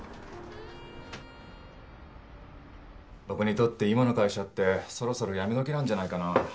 僕にとって今の会社ってそろそろ辞めどきなんじゃないかなぁ。